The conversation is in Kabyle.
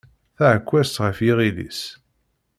Taɛekkazt ɣef yiɣil-is.